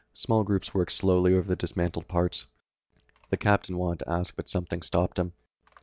Small groups worked slowly over the dismantled parts. The captain wanted to ask but something stopped him.